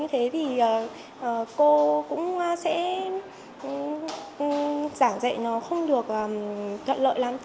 thì cô cũng sẽ giảng dạy nó không được lợi lắm